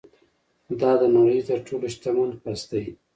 دا د نړۍ تر ټولو شتمن کس ده